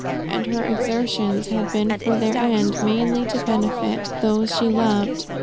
And her exertions had for their end mainly to benefit those she loved.